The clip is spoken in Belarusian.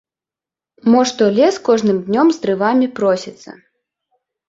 Мо што лес кожным днём з дрывамі просіцца.